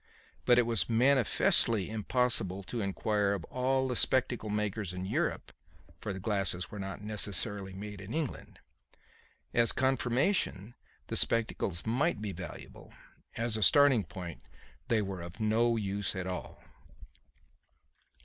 But it was manifestly impossible to inquire of all the spectacle makers in Europe for the glasses were not necessarily made in England. As confirmation the spectacles might be valuable; as a starting point they were of no use at all.